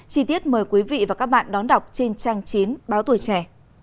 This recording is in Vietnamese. chi tiết mời quý vị và các bạn đón đọc trên trang chín báo tuổi trẻ